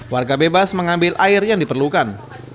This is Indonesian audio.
warga bebas mengambil air yang diperlukan